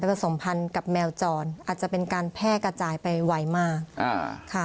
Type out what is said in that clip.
ผสมพันธ์กับแมวจรอาจจะเป็นการแพร่กระจายไปไวมากอ่าค่ะ